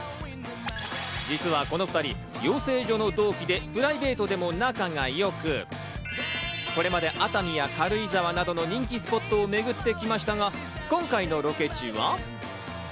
実はこの２人、養成所の同期でプライベートでも仲が良く、これまで熱海や軽井沢などの人気スポットをめぐってきましたが、今回のロケ地は。